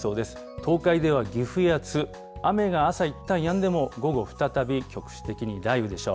東海では岐阜や津、雨が朝いったんやんでも、午後再び局地的に雷雨でしょう。